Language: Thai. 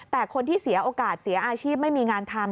แต่คนที่เสียโอกาสเสียอาชีพไม่มีงานทำ